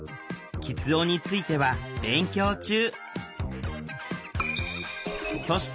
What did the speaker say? きつ音については勉強中。